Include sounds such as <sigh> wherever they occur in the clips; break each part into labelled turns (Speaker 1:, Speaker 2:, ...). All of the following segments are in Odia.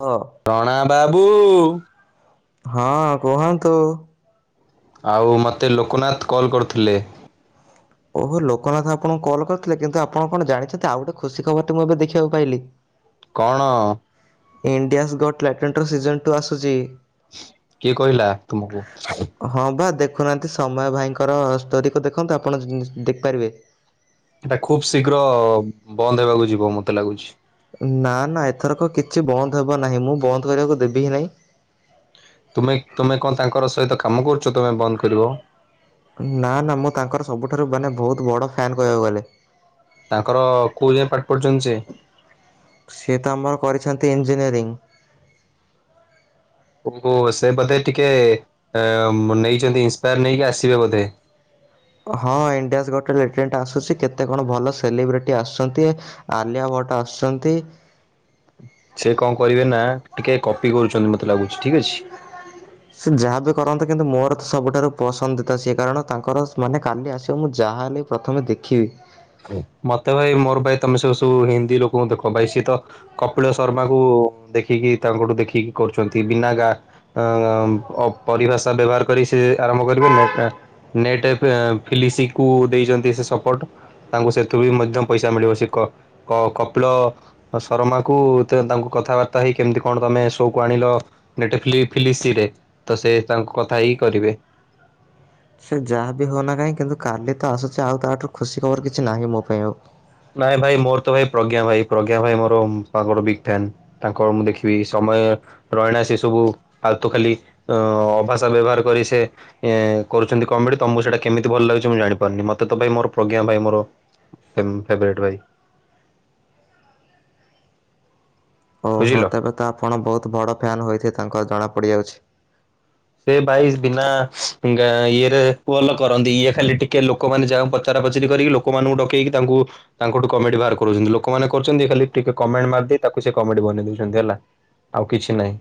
Speaker 1: ହ।
Speaker 2: ରଣା ବାବୁ।
Speaker 1: ହଁ କୁହନ୍ତୁ।
Speaker 2: ଆଉ ମତେ ଲୋକନାଥ୍ କଲ୍ କରୁଥିଲେ।
Speaker 1: ଓହୋ ଲୋକନାଥ ଆପଣଙ୍କୁ କଲ୍ କରିଥିଲେ। କିନ୍ତୁ ଆପଣ କଣ ଜାଣିଚନ୍ତି ଆଉ ଗୋଟେ ଖୁସି ଖବର୍ ଟେ ମୁଁ ଏବେ ଦେଖିବାକୁ ପାଇଲି।
Speaker 2: କଣ?
Speaker 1: ଇଣ୍ଡିଆସ୍ ଗଟ୍ ଲାଟଣ୍ଟ୍ର ର ସିଜନ୍ ଟୁ ଆସୁଚି।
Speaker 2: କିଏ କହିଲା ତୁମକୁ?
Speaker 1: ହଁ ବା ଦେଖୁନାହାନ୍ତି ସମୟ ଭାଇଙ୍କର ଷ୍ଟୋରିକୁ ଦେଖନ୍ତୁ ଆପଣ ଦେଖିପାରିବେ।
Speaker 2: ହେଟା ଖୁବ୍ ଶୀଘ୍ର ବନ୍ଦ ହେବାକୁ ଯିବ ମତେ ଲାଗୁଚି।
Speaker 1: ନା -ନା ଏଥରକ କିଛି ବନ୍ଦ ହେବ ନାହିଁ ମୁଁ ବନ୍ଦ କରିବାକୁ ଦେବିି ହିଁ ନାହିଁ।
Speaker 2: ତୁମେ- ତୁମେ କଣ ତାଙ୍କର ସହିତ କାମ କରୁଚ ତମେ ବନ୍ଦ୍ କରିବ।
Speaker 1: ନା -ନା ମୁଁ ତାଙ୍କର ସବୁଠାରୁ ମାନେ ବହୁତ୍ ବଡ ଫ୍ୟାନ୍ କହିବାକୁ ଗଲେ।
Speaker 2: ତାଙ୍କର କଉ ଯାଏ ପାଠ ପଢିଛନ୍ତି ସେ?
Speaker 1: ସିଏ ତ ଆମର କରିଛନ୍ତି ଇଞ୍ଜିନିୟରିଂ।
Speaker 2: ଓହୋ ସେ ବୋଧେ ଟିକେ ଆ-ନେଇଚନ୍ତି ଇନ୍ସପାୟାର ନେଇକି ଆସିବେ ବୋଧେ।
Speaker 1: ହଁ ଇଣ୍ଡିଆଜ୍ ଗଟ୍ ଟାଲେଣ୍ଟ୍ ଆସୁଚି କେତେ କଣ ଭଲ ସେଲିବ୍ରିଟି ଆସୁଚନ୍ତି ଆଲିଆ ଭଟ୍ଟ୍ ଆସୁସନ୍ତି।
Speaker 2: ସେ କଣ କରିବେ ନା ଟିକେ କପି କରୁଚନ୍ତି ମତେ ଲାଗୁଚି ଠିକ୍ ଅଛି।
Speaker 1: ସେ ଯାହାବି କରନ୍ତେ କିନ୍ତୁ ମୋର ତ ସବୁଠାରୁ ପସନ୍ଦ ତ ସିଏ କାରଣ ତାଙ୍କର ସ୍-ମାନେ କାଲି ଆସିବ ମୁଁ ଯାହାହେଲେ ବି ପ୍ରଥମେ ଦେଖିବି।
Speaker 2: ମତେ ଭାଇ ମୋର ଭାଇ ତମେ ସବୁ -ସବୁ ହିନ୍ଦୀ ଲୋକଙ୍କୁ ଦେଖ ଭାଇ ସିଏ ତ କପିଳ ଶର୍ମାକୁ ଦେଖିକି ତାଙ୍କଠୁ ଦେଖିକି କରୁଚନ୍ତି ବିନା ଗା ଅ-ଅପରିଭାଷା ବ୍ୟବହାର କରି ସେ ଆରମ୍ଭ କରିବେ ନେଟେ- ନେଟ୍ ଏଫ୍ ଫିଲିଶି କୁ ଦେଇଛନ୍ତି ସେ ସପୋର୍ଟ। ତାଙ୍କୁ ସେଥିରୁ ବି ମଧ୍ୟ ପଇସା ମିଳିବ ସେ କ-କ କପିଳ ଶର୍ମା କୁ ତାଙ୍କୁ କଥାବାର୍ତ୍ତା ହେଇ କେମିତି କଣ ତମେ ସୋ କୁ ଆଣିଲ? ନେଟେ ଫିଲି- ଫିଲିଶି ରେ ତ ସେ ତାଙ୍କୁ କଥା ହେଇକି କରିବେ।
Speaker 1: ସେ ଯାହା ବିି ହଉନା କାହିଁକି କିନ୍ତୁ କାଲି ତ ଆସୁଚି ଆଉ ତାଠାରୁ ଖୁସି ଖବର କିଛି ନାହିଁ ମୋ ପାଇଁ ଆଉ।
Speaker 2: ନାଇଁ ଭାଇ ମୋର ତ ଭାଇ ପ୍ରଜ୍ଞା ଭାଇ ପ୍ରଜ୍ଞା ଭାଇ ମୋର ସବୁଠୁ ବିଗ୍ ଫ୍ୟାନ୍। ତାଙ୍କର ମୁଁ ଦେଖିବି ସମୟ ରଇଣା ସିଏ ସବୁ ଫାଲତୁ ଖାଲି ଅ- ଅଭାଷା ବ୍ୟବହାର କରି ସେ ଇଏ କରୁଚନ୍ତି କମେଡି ତମକୁ ସେଇଟା କେମିତି ଭଲ ଲାଗୁଚି ମୁଁ ଜାଣିପାରୁନି ମତେ ତ ଭାଇ ମୋର ପ୍ରଜ୍ଞା ଭାଇ ମୋର ଫେବ୍- ଫେବ୍ରେଟ୍ ଭାଇ।
Speaker 1: ଓହୋ
Speaker 2: ବୁଝିଲ
Speaker 1: ତେବେ ତ ଆପଣ ବହୁତ ବଡ ଫ୍ୟାନ୍ ହୋଇଥିବେ ତାଙ୍କର ଜଣାପଡିଯାଉଚି।
Speaker 2: ସେ ଭାଇ ବିନା ଗା- ଇଏରେ ପୋ ଲ କରନ୍ତି ଇଏ ଖାଲି ଟିକେ ଲୋ କ ମାନେ ଯାହାକୁ ପଚରା ପଚାରି କରିକି ଲୋକମାନଙ୍କୁ ଡକେଇକି ତାଙ୍କୁ ତାଙ୍କଠୁ କମେଡି ବାହାର କରୁଚନ୍ତି ଲୋକମାନେ କରୁଚନ୍ତି ଇଏ ଖାଲି ଟିକେ କମେଣ୍ଟ ମାରିଦେଇ ତାକୁ ସେ କମେଡି ବନେଇ ଦଉଚନ୍ତି ହେଲା। ଆଉ କିଛି ନାହିଁ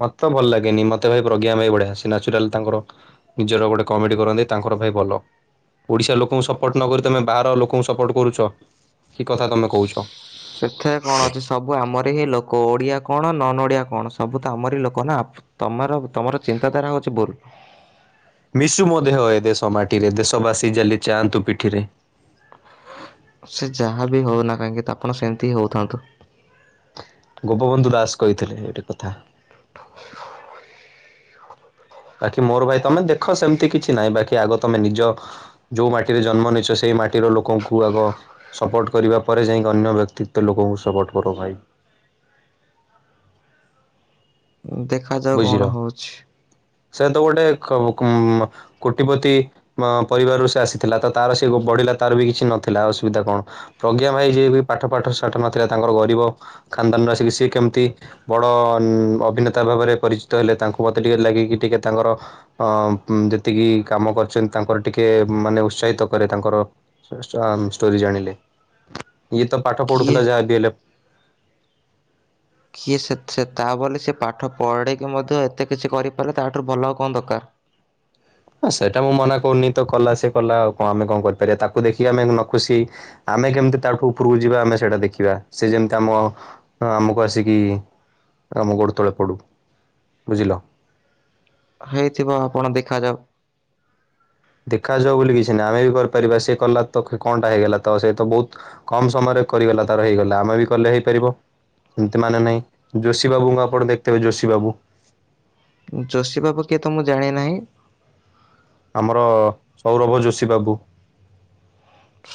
Speaker 2: ମତେ ତ ଭଲ ଲାଗେନି ମ ତେ ଭାଇ ପ୍ରଜ୍ଞା ଭାଇ ବଢିଆ ସେ ନ୍ୟାଚୁରାଲ୍ ତାଙ୍କର ନିଜର ଗୋଟେ କମେଡି କରନ୍ତି ତାଙ୍କର ଭାଇ ଭଲ ଓଡ଼ିଶା ଲୋକଙ୍କୁ ସପୋର୍ଟ ନକରି ତୁମେ ବାହାର ଲୋକଙ୍କୁ ସପୋର୍ଟ କରୁଚ କି କଥା ତମେ କହୁଚ।
Speaker 1: ସେଥେରେ କଣ ଅଛି। ସବୁ ଆମର ହିଁ ଲୋକ ଓଡ଼ିଆ କଣ ନନ୍ ଓଡ଼ିଆ କଣ ସବୁ ତ ଆମରି ଲୋକ ନା। ତମର ତମର ଚିନ୍ତାଧାରା ହୋଉଚି ଭୁଲ।
Speaker 2: ମିଶୁ ମୋ ଦେହ ଏ ଦେଶ ମାଟିରେ ଦେଶ ବାସୀ ଚାଲି ଜାଆନ୍ତୁ ପିଠିରେ।
Speaker 1: ସେ ଯାହା ବିି ହୋଉନା କାହିଁକି ତ ଆପଣ ସେମିତି ହିଁ ହୋଉଥାନ୍ତୁ।
Speaker 2: ଗୋପବନ୍ଧୁ ଦାସ କହିଥିଲେ ଏଇଟି କଥା। ବାକି ମୋର ଭାଇ ତମେ ଦେଖ ସେମତି କିଛି ନାହିଁ ବାକି ଆଗ ତମେ ନିଜ ଯୋଉ ମାଟିରେ ଜନ୍ମ ନେଇଛ ସେଇ ମାଟିର ଲୋକଙ୍କୁ ଆଗ ସପୋର୍ଟ କରିବା ପରେ ଯାଇକି ଅନ୍ୟ ବ୍ୟକ୍ତିତ୍ୱ ଲୋକଙ୍କୁ ସପୋର୍ଟ କର ଭାଇ।
Speaker 1: ଉଁ ଦେଖାଯାଉ
Speaker 2: ବୁଝିଲ।
Speaker 1: କଣ ହୋଉଛି।
Speaker 2: ସେ ତ ଗୋଟେ କବୁ କୁ ଉଁମା କୋଟିପତି ମ ପରିବାରରୁ ସେ ଆସିଥିଲା ତ ତାର ସିଏ କୋଉ ବଢିଲା ତାର ବି କିଛି ନଥିଲା ଅସୁବିଧା କଣ। ପ୍ରଜ୍ଞା ଭାଇ ଯିଏ ବି ପାଠ ପାଠ ସାଠ ନଥିଲା ତାଙ୍କର ଗରିବ ଖାନଦାନରୁ ଆସିକି ସିଏ କେମିତି ବଡ ନ୍ ଅଭିନେତା ଭାବରେ ପରିଚିତ ହେଲେ ତାଙ୍କୁ ମତେ ଟିକେ ଲାଗେ କି ଟିକେ ତାଙ୍କର ଅ ଉଁ ଯେତିକି କାମ କରିଛନ୍ତି ତାଙ୍କର ଟିକେ ମାନେ ଉତ୍ସାହିତ କରେ ତାଙ୍କର ସେ ଷ୍ଟା ହୁଁ ଷ୍ଟୋରି ଜାଣିଲେ ଇଏ ତ ପାଠ
Speaker 1: କିଏ
Speaker 2: ପଢୁଥୁଲା ଯାହା ବି ହେଲେ।
Speaker 1: କିଏ ସେ ସେ ତା ବୋଲି ସିଏ ପାଠ ପଢ଼େଇକି ମଧ୍ୟ ଏତେ କିଛି କରିପାରଲା ତାଠାରୁ ଭଲ ଆଉ କଣ ଦରକାର।
Speaker 2: ହ ସେଟା ମୁଁ ମନା କରୁନି ତ କଲା ସେ କଲା ଆଉ କଣ ଆମେ କଣ କରିପାରିବା ତାକୁ ଦେଖିକି ଆମେ ନ ଖୁସି ଆମେ କେମତି ତାଠୁ ଉପରୁକୁ ଯିବା ଆମେ ସେଟା ଦେଖିବା ସେ ଯେମତି ଆମ ହଁ ଆମୁକୁ ଆସିକି ଆମ ଗୋଡ ତଳେ ପଡୁ ବୁଝିଲ।
Speaker 1: ହେଇଥିବ ଆପଣ ଦେଖାଯାଉ।
Speaker 2: ଦେଖାଯାଉ ବୋଲି କିଛି ନା ଆମେ ବି କରିପାରିବା ସିଏ କରଲା ତ କେ କଣଟା ହେଇଗଲା ତ ସେ ତ ବୋହୁତ କମ ସମୟରେ କରିଗଲା ତାର ହେଇଗଲା ଆମେ ବି କଲେ ହେଇପାରିବ। ସେମତି ମାନେ ନାଇଁ ଯୋଶୀ ବାବୁଙ୍କୁ ଆପଣ ଦେଖିଥିବେ ଯୋଶୀ ବାବୁ।
Speaker 1: ଯୋଶୀ ବାବୁ କିଏ ତ ମୁଁ ଜାଣିନାହିଁ।
Speaker 2: ଆମର ସୌରଭ ଯୋଶୀ ବାବୁ।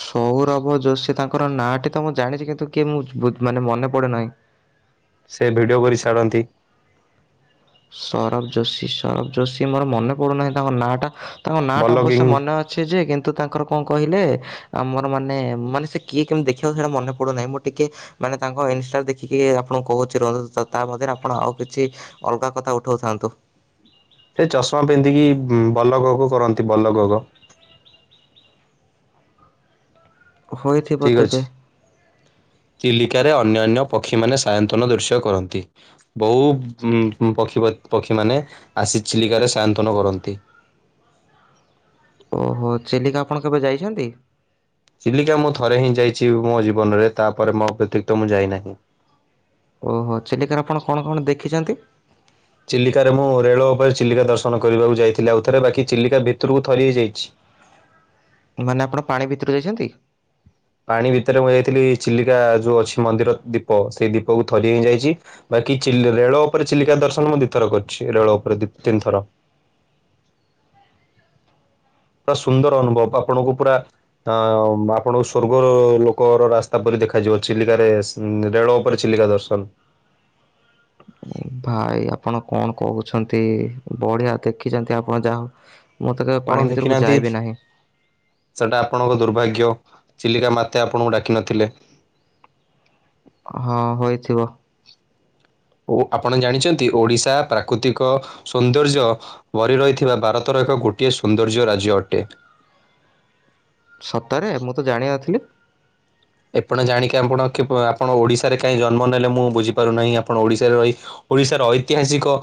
Speaker 1: ସୌରଭ ଯୋଶୀ ତାଙ୍କର ନାଁଟି ତ ମୁଁ ଜାଣିଚି କିନ୍ତୁ କିଏ ମୁଁ ବୁଜ୍ ମାନେ ମନେପଡୁ ନାହିଁ।
Speaker 2: ସେ ଭିଡିଓ କରି ଛାଡନ୍ତି।
Speaker 1: ସୌରଭ ଯୋଶୀ ସୌରଭ ଯୋଶୀ ମୋର ମନେ ପଡୁନାହିଁ ତାଙ୍କ ନାଁଟା ତାଙ୍କ ନାଁଟା
Speaker 2: ବଲଗିଂ
Speaker 1: ଅବଶ୍ୟ ମନେ ଅ ଛି ଯେ କିନ୍ତୁ ତାଙ୍କର କଣ କହିଲେ ଆ ମୋର ମାନେ ମାନେ ସେ କିଏ କେମତି ଦେଖିବାକୁ ସେଇଟା ମନେ ପଡୁନାହିଁ ମୁଁ ଟିକେ ମାନେ ତାଙ୍କ ଇନଷ୍ଟା ଦେଖିକି ଆପଣଙ୍କୁ କୋହୁଚି ରୁହନ୍ତୁ ତ ତା ମଧ୍ୟରେ ଆପଣ ଆଉ କିଛି ଅଲଗା କଥା ଉଠୋଉଥାନ୍ତୁ।
Speaker 2: ସେ ଚଷମା ପିନ୍ଧିକି ଉଁ ବଲଗଗ କରନ୍ତି ବଲଗଗ।
Speaker 1: ହୋଇଥିବ
Speaker 2: ଠିକ
Speaker 1: ତେବେ
Speaker 2: ଅଛି ଚିଲିକାରେ ଅନ୍ୟାନ୍ୟ ପକ୍ଷୀ ମାନେ ସାୟନ୍ତନ ଦୃଶ୍ୟ କରନ୍ତି। ବହୁ ଉଁ ଉଁ ପକ୍ଷୀପତ୍ ପକ୍ଷୀମାନେ ଆସି ଚିଲିକାରେ ସାୟନ୍ତନ କରନ୍ତି।
Speaker 1: ଓହୋ ଚିଲିକା ଆପଣ କେବେ ଯାଇଚନ୍ତି?
Speaker 2: ଚିଲିକା ମୁଁ ଥରେ ହିଁ ଯାଇଚି ମୋ ଜୀବନରେ ତାପରେ ମୋ ଏତିିକ ତ ମୁଁ ଯାଇନାହିଁ।
Speaker 1: ଓହୋ ଚିଲିକାରେ ଆପଣ କଣ କଣ ଦେଖିଚନ୍ତି?
Speaker 2: ଚିଲିକାରେ ମୁଁ ରେଳ ଓପରେ ଚିଲିକା ଦର୍ଶନ କରିବାକୁ ଯାଇଥିଲି ଆଉ ଥରେ ବାକି ଚିଲିକା ଭିତରକୁ ଥରି ହେଇଚି।
Speaker 1: ମାନେ ଆପଣ ପାଣି ଭିତରୁକୁ ଯାଇଚନ୍ତି?
Speaker 2: ପାଣି ଭିତରେ ମୁଁ ଯାଇଥିଲି ଚିଲିକା ଯୋଉ ଅଛି ମନ୍ଦିର ଦୀପ ସେଇ ଦୀପକୁ ଥରିଏ ହିଁ ଯାଇଚି। ବାକି ଚିଲ୍ ରେଳ ଓପରେ ଚିଲିକା ଦର୍ଶନ ମୁଁ ଦିଥର କରିଚି ରେଳ ଓପରେ ଦି ତିନ ଥର। ପୁରା ସୁନ୍ଦର ଅନୁଭବ ଆପଣଙ୍କୁ ପୁରା ତ ଆପଣଙ୍କୁ ସ୍ୱର୍ଗ ଲୋକର ରାସ୍ତା ପରି ଦେଖାଯିବ ଚିଲିକାରେ ସ୍ ଉଁ ରେଳ ଓପରେ ଚିଲିକା ଦର୍ଶନ।
Speaker 1: ଭାଇ ଆପଣ କଣ କୋହୁଛନ୍ତି ବଢ଼ିଆ ଦେଖିଛନ୍ତି ଆପଣ ଯାହା ହୋଉ। ମୁଁ ତ କେବେ
Speaker 2: ଆପଣ
Speaker 1: ପାଣି ଭିତରକୁ
Speaker 2: ଦେଖିନାହାନ୍ତି
Speaker 1: ଯଇବି ନାହିଁ।
Speaker 2: ସେଟା ଆପଣଙ୍କ ଦୁର୍ଭାଗ୍ୟ ଚିଲିକା ମାତେ ଆପଣଙ୍କୁ ଡାକିିନଥିଲେ।
Speaker 1: ହଁ ହୋଇଥିବ।
Speaker 2: ଓ ଆପଣ ଜାଣିଛନ୍ତି ଓଡିଶା ପ୍ରାକୃତିକ ସୌନ୍ଦର୍ଯ୍ୟ ବରି ରହିଥିବା ଭାରତର ଏକ ଗୋଟିଏ ସୌନ୍ଦର୍ଯ୍ୟ ରାଜ୍ୟ ଅଟେ।
Speaker 1: ସତରେ ମୁଁ ତ ଜାଣିନଥିଲି।
Speaker 2: ଏପଣ ଜାଣିକି ଆପଣ ଆପଣ ଓଡିଶାରେ କାହିଁ ଜନ୍ମ ନେଲେ ମୁଁ ବୁଝିପାରୁନାହିଁ। ଆପଣ ଓଡିଶାରେ ରହି ଓଡିଶାର ଐତିହାସିକ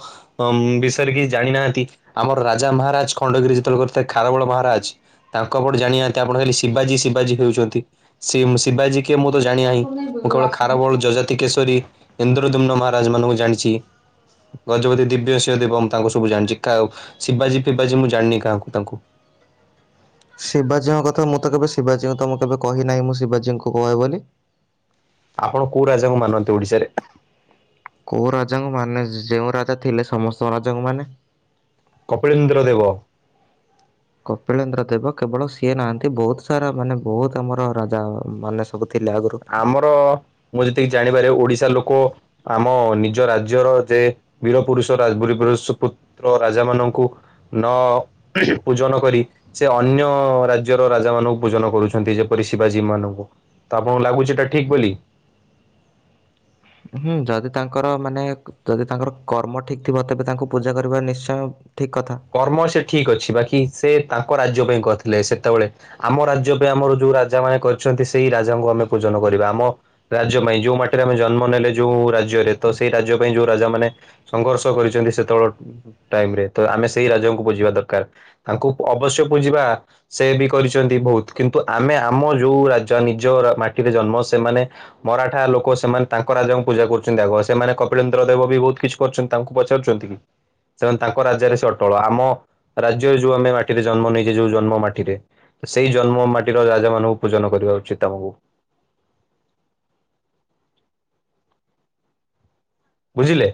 Speaker 2: ଅ ବିଷୟରେ କି ଜାଣିନାହାନ୍ତି। ଆମର ରାଜା ମହାରାଜ ଖଣ୍ଡଗିରି ଯେତେବେଳେ କରିଥିଲେ ଖାରବେଳ ମହାରାଜ ତାଙ୍କ <unintelligible> ଜାଣିନାହାନ୍ତି ଆପଣ ଖାଲି ଶିବାଜୀ ଶିବାଜୀ ହେଉଚନ୍ତି ସିମ ଶିବାଜୀ କିଏ ମୁଁ ତ ଜାଣି ନାହିଁ। ମୁଁ କେବଳ ଖାରବୋଳ ଯଜାତି କେଶରୀ ଇନ୍ଦ୍ରଦୁମ୍ନ ମହାରାଜ ଏମାନଙ୍କୁ ଜାଣିଚି। ଗଜପତି ଦିବ୍ୟ ସିଂହ ଦେବ ମୁଁ ତାଙ୍କୁ ସବୁ ଜାଣିଚି। କାହା ଶିବାଜୀ ଫିବାଜୀ ମୁଁ ଜାଣିନି କାହାକୁ ତାଙ୍କୁ।
Speaker 1: ଶିବାଜୀଙ୍କ କଥା ମୁଁ ତ କେବେ ଶିବାଜୀଙ୍କୁ ତମ କେବେ କହିନାହିଁ ମୁଁ ଶିବାଜୀଙ୍କୁ କହେ ବୋଲି।
Speaker 2: ଆପଣ କୋଉ ରାଜାଙ୍କୁ ମାନନ୍ତି ଓଡିଶାରେ?
Speaker 1: କୋଉ ରାଜାଙ୍କୁ ମାନେ ଯେଉଁ ରାଜା ଥିଲେ ସମସ୍ତ ରାଜାଙ୍କୁ ମାନେ।
Speaker 2: କପିଳେନ୍ଦ୍ର ଦେବ
Speaker 1: କପିଳେନ୍ଦ୍ର ଦେବ କେବଳ ସିଏ ନାହାନ୍ତି ବହୁତ ସାରା ମାନେ ବହୁତ ଆମର ରାଜା ମାନେ ସବୁ ଥିଲେ ଆଗରୁ।
Speaker 2: ଆମର ମୁଁ ଯେତିକି ଜାଣିବାରେ ଓଡିଶା ଲୋକ ଆମ ନିଜ ରାଜ୍ୟର ଯେ ବୀର ପୁରୁଷ ରାଜ ବ <unintelligible> ର ରାଜା ମାନଙ୍କୁ ନ ପୂଜନ କରି ସେ ଅନ୍ୟ ରାଜ୍ୟର ରାଜା ମାନଙ୍କୁ ପୂଜନ କରୁଛନ୍ତି ଯେପରି ଶିବାଜୀ ମାନଙ୍କୁ ଆପଣ ଲାଗୁଛି ଏଟା ଠିକ୍ ବୋଲି?
Speaker 1: ହୁଁ ଯଦି ତାଙ୍କର ମାନେ ଯଦି ତାଙ୍କର କର୍ମ ଠିକ ଥିବ ତେବେ ତାଙ୍କୁ ପୂଜା କରିବା ନିଶ୍ଚୟ ଠିକ୍ କଥା।
Speaker 2: କର୍ମ ସେ ଠିକ ଅଛି ବାକି ସେ ତାଙ୍କ ରାଜ୍ୟ ପାଇଁ କରିଥିଲେ ସେତେବେଳେ। ଆମ ରାଜ୍ୟ ପାଇଁ ଆମର ଯୋଉ ରାଜା ମାନେ କହିଛନ୍ତି ସେଇ ରାଜାଙ୍କୁ ଆମେ ପୂଜନ କରିବା। ଆମ ରାଜ୍ୟ ପାଇଁ ଯୋଉ ମାଟିରେ ଆମେ ଜନ୍ମ ନେଲେ ଯୋଉ ରାଜ୍ୟରେ ତ ସେଇ ରାଜ୍ୟ ପାଇଁ ଯୋଉ ରାଜା ମାନେ ସଂଘର୍ଷ କରିଛନ୍ତି ସେତେବେଳେ ଟାଇମରେ ତ ଆମେ ସେଇ ରାଜ୍ୟଙ୍କୁ ପୁଜିବା ଦରକାର। ତାଙ୍କୁ ଅବଶ୍ୟ ପୁଜିବା ସେ ବି କରିଚନ୍ତି ବହୁତ କିନ୍ତୁ ଆମେ ଆମ ଯୋଉ ରାଜା ନିଜ ମାଟିରେ ଜନ୍ମ ସେମାନେ ମରାଠା ଲୋକ ସେମାନେ ତାଙ୍କ ରାଜାଙ୍କୁ ପୂଜା କରୁଛନ୍ତି ଆଗ ସେମାନେ କପିଳନ୍ଦ୍ର ଦେବ ବି ବହୁତ କିଛି ତାଙ୍କୁ ପଚାରୁଚନ୍ତି କି? ସେମାନେ ତାଙ୍କ ରାଜା ରେ ସେ ଅ ଟଳ। ଆମ ରାଜ୍ୟ ଯୋଉ ଆମେ ମାଟିରେ ଜନ୍ମ ନେଇଛେ ଯୋଉ ଜନ୍ମ ମାଟିରେ ସେଇ ଜନ୍ମ ମାଟିର ରାଜା ମାନଙ୍କୁ ପୂଜନ କରିବା ଉଚିତ ଆମକୁ ବୁଝିଲେ?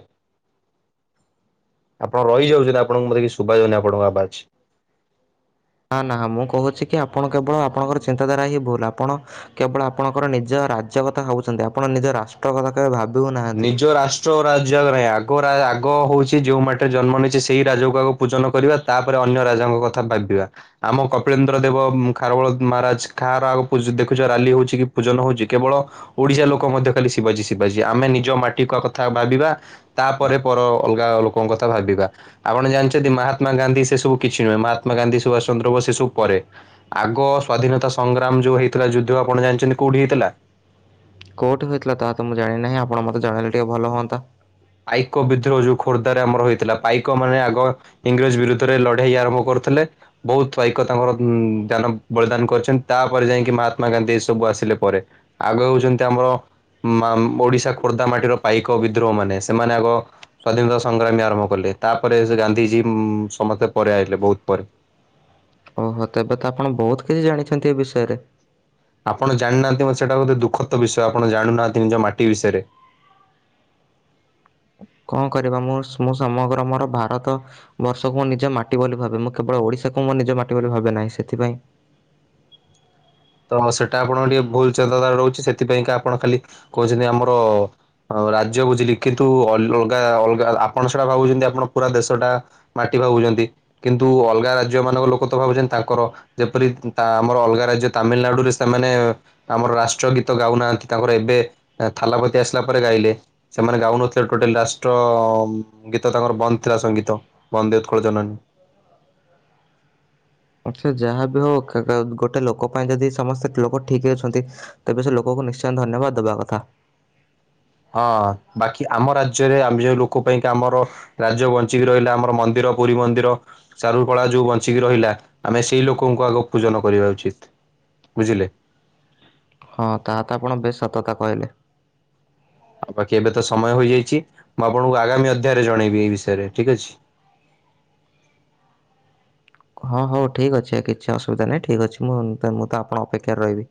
Speaker 2: ଆପଣ ରହିଯାଉଚ଼ନ୍ତି ଆପଣଙ୍କ କଥା କିଛି ଶୁବା ଯାଉନି ଆପଣଙ୍କ ଆବାଜ।
Speaker 1: ନା ନା ମୁଁ କହୁଛି କି ଆପଣ କେବଳ ଆପଣଙ୍କର ଚିନ୍ତାଧାରା ହିଁ ଭୁଲ ଆପଣ କେବଳ ଆପଣଙ୍କର ନିଜ ରାଜ୍ୟ କଥା ଭାବୁଛନ୍ତି, ଆପଣ ନିଜ ରାଷ୍ଟ୍ର କଥା କେବେ ଭାବି ହଉନାହାନ୍ତି।
Speaker 2: <unintelligible> ଆଗରା ଆଗ ହେଉଚି ଯେଉଁ ମାଟିରେ ଜନ୍ମ ନେଇଛେ ସେହି ରାଜ୍ୟକୁ ଆଗ ପୂଜନ କରିବା ତାପରେ ଅନ୍ୟ ରାଜାଙ୍କ କଥା ଭାବିବା। ଆମ କପିଳେନ୍ଦ୍ର ଦେବ ଖାରବେଳ ମହାରାଜ କାହାର ଆଗ ଦେଖୁଛ ରାଲି ହଉଚି କି ପୂଜନ ହଉଚି। କେବଳ ଓଡିଶା ଲୋକ ମଧ୍ୟ ଖାଲି ଶିବାଜୀ ଶିବାଜୀ ଆମେ ନିଜ ମାଟି ମାଆ କ କଥା ଭାବିବା ତାପରେ ପର ଅଲଗା ଲୋକଙ୍କ କଥା ଭାବିବା। ଆପଣ ଜାଣିଚ଼ନ୍ତି ମହାତ୍ମା ଗାନ୍ଧୀ ସେ ସବୁ କିଛି ନୁହେଁ ମହାତ୍ମା ଗାନ୍ଧୀ ସୁଭାଷ ଚନ୍ଦ୍ର ବୋଷ ସେସବୁ ପରେ। ଆଗ ସ୍ଵାଧୀନତା ସଂଗ୍ରାମ ଯୋଉ ହେଇଥିଲା ଯୁଦ୍ଧ ଆପଣ ଜାଣିଛନ୍ତି କୋଉଠି ହେଇଥିଲା?
Speaker 1: କଉଠି ହୋଇଥିଲା ତା ତ ମୁଁ ଜାଣିିନହିଁ ଆପଣ ମତେ ଜଣେଇଲେ ଟିକେ ଭଲ ହୁଅନ୍ତା
Speaker 2: ପାଇକ ବିଦ୍ରୋହ ଯୋଉ ଖୋର୍ଦ୍ଧାରେ ଆମର ହେଇଥିଲା ପାଇକ ମାନେ ଆଗ ଇଂରେଜ ବିରୁଦ୍ଧରେ ଲଢେଇ ଆରମ୍ଭ କରୁଥିଲେ ବହୁତ ପାଇକ ତାଙ୍କର ଦାନ ବଳିଦାନ କରିଚନ୍ତି ତାପରେ ଯାଇକି ମହାତ୍ମା ଗାନ୍ଧୀ ଏ ସବୁ ଆସିଲେ ପରେ ଆଗ ହଉଛନ୍ତି ଆମର ମାମ ଓଡିଶା ଖୋର୍ଦ୍ଧା ମାଟିର ପାଇକ ବିଦ୍ରୋହ ମାନେ। ସେମାନେ ଆଗ ସ୍ଵାଧୀନତା ସଂଗ୍ରାମୀ ଆରମ୍ଭ କଲେ ତାପରେ ସେ ଗାନ୍ଧିଜୀ ସମସ୍ତେ ପରେ ଆଇଲେ, ବହୁତ ପରେ।
Speaker 1: ଓହୋ ତେବେ ତ ଆପଣ ବହୁତ କିଛି ଜାଣିଛନ୍ତି ଏ ବିଷୟରେ।
Speaker 2: ଆପଣ ଜାଣିନାହାନ୍ତି ମ ସେଇଟା ଗୋଟେ ଦୁଖଦ ବିଷୟ ଆପଣ ଜାଣୁନାହାନ୍ତି ନିଜ ମାଟି ବିଷୟରେ
Speaker 1: କଣ କରିବା ମୁଁ ମୁଁ ସମଗ୍ର ମୋର ଭାରତ ବର୍ଷକୁ ମୁଁ ନିଜ ମାଟି ବୋଲି ଭା ମୁଁ କେବଳ ଓଡିଶାକୁ ମୁଁ ନିଜ ମାଟି ବୋଲି ଭାବେ ନାହିଁ ସେଥିପାଇଁ
Speaker 2: ତ ସେଇଟା ଆପଣଙ୍କ ଟିକେ ଭୁଲ ଚିନ୍ତାଧାରା ରହୁଛି ସେଥିପାଇଁକା ଆପଣ ଖାଲି କହୁଛନ୍ତି ଆମର ଆ ରାଜ୍ୟ ବୁଝିଲି କିନ୍ତୁ ଅଲଗା ଅଲଗା ଆପଣ ସେଟା ଭାବୁଛନ୍ତି ଆପଣ ପୁରା ଦେଶଟା ମାଟି ଭାବୁଚ଼ନ୍ତି। କିନ୍ତୁ ଅଲଗା ରାଜ୍ୟ ମାନଙ୍କ ଲୋକ ତ ଭାବୁଛନ୍ତି ତାଙ୍କର ଯେପରି ତା ଆମର ଅଲଗା ରାଜ୍ୟ ତାମିଲନାଡୁରେ ସେମାନେ ଆମର ରାଷ୍ଟ୍ର ଗୀତ ଗାଉନାହାନ୍ତି ତାଙ୍କର ଏବେ ଥାଲାପତି ଆସିଲା ପରେ ଗାଇଲେ ସେମାନେ ଗାଉନଥିଲେ ଟୋଟାଲ ରାଷ୍ଟ୍ର ଗୀତ ତାଙ୍କର ବନ୍ଦ ଥିଲା ସଙ୍ଗୀତ ବନ୍ଦେ ଉତ୍କଳ ଜନନୀ
Speaker 1: ଆଚ୍ଛା ଯାହା ବିି ହଉ ଗୋଟେ ଲୋକ ପାଇଁ ଯଦି ସମସ୍ତେ ଲୋକ ଠିକ ଅଛନ୍ତି ତେବେ ସେ ଲୋକଙ୍କୁ ନିଶ୍ଚୟ ଧନ୍ୟବାଦ ଦବା କଥା।
Speaker 2: ହଁ ବାକି ଆମ ରାଜ୍ୟରେ ଆମେ ଯୋଉ ଲୋକ ପାଇଁ ଆମର ରାଜ୍ୟ ବଞ୍ଚିକି ରହିଲା ଆମର ମନ୍ଦିର ପୁରୀ ମନ୍ଦିର। ଚାରୁ କଳା ଯୋଉ ବଞ୍ଚିକି ରହିଲା ଆମେ ସେଇ ଲୋକଙ୍କୁ ଆଗ ପୂଜନ କରିବା ଉଚିତ ବୁଝିଲେ।
Speaker 1: ହଁ ତାହା ତ ଆପଣ ବେଶ ସତ କଥା କହିଲେ।
Speaker 2: ଆଉ ବାକି ଏବେ ତ ସମୟ ହୋଇଇଯାଇଛି ମୁଁ ଆପଣଙ୍କୁ ଆଗାମୀ ଅଧ୍ୟାୟରେ ଜଣେଇବି ଏଇ ବିଷୟରେ ଠିକ ଅଛି।
Speaker 1: ହଁ ହଉ ଠିକ୍ ଅଛି କିଛି ଅସୁବିଧା ନାହିଁ ଠିକ୍ ଅଛି ମୁଁ ମୁଁ ତ ଆପଣ ଅପେକ୍ଷାରେ ରହିବି।